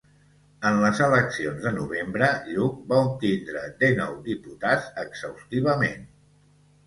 En les eleccions de novembre, Lluc va obtindre dènou diputats exhaustivament.